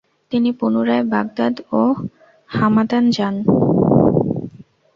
তিনি পুনরায় বাগদাদ এবং হামাদান যান।